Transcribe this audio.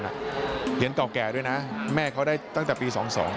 เหรียญเก่าแก่ด้วยนะแม่เขาได้ตั้งแต่ปี๒๒